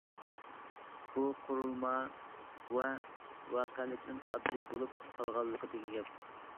بۇ قۇرۇلما ۋە ۋەقەلىكنىڭ ئاددىي بولۇپ قالغانلىقىدىكى گەپ.